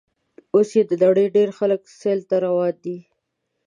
اوس یې د نړۍ ډېر خلک سیل ته روان دي.